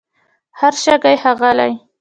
هر شګه یې ښاغلې